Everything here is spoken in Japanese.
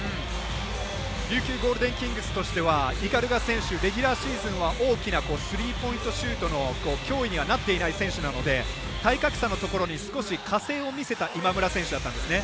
琉球ゴールデンキングスとしては鵤選手、レギュラーシーズンはスリーポイントシュートの脅威にはなっていない選手なので体格差のところに少し加勢を見せた今村選手だったんですね。